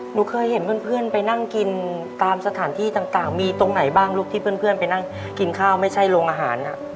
หนูเคยเห็นเพื่อนไปนั่งกินตามสถานที่ต่างมีตรงไหนบ้างลูกที่เพื่อนไปนั่งกินข้าวไม่ใช่โรงอาหาร